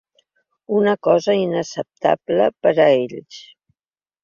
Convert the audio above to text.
Una cosa inacceptable per a ells.